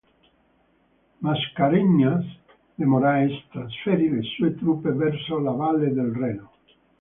Mascarenhas de Moraes trasferì le sue truppe verso la Valle del Reno.